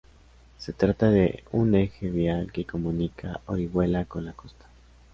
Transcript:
Se trata de un eje vial que comunica Orihuela con la costa.